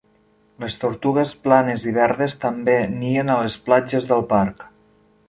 Les tortugues planes i verdes també nien a les platges del parc.